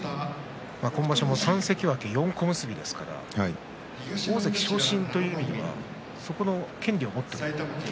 今場所も３関脇４小結ですから大関昇進という意味ではそこの権利を持っている。